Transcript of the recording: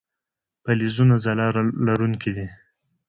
فلزونه ځلا لرونکي دي.